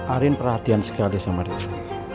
arin perhatian sekali sama riza